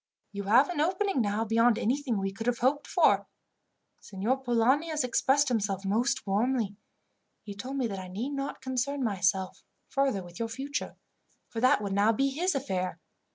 You have an opening now beyond anything we could have hoped for. Signor Polani has expressed himself most warmly. He told me that I need concern myself no further with your future, for that would now be his affair.